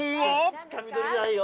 つかみどりじゃないよ。